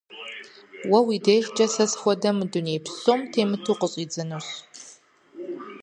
Уэ уи дежкӀэ сэ схуэдэ мы дуней псом темыту къыщӀидзынущ.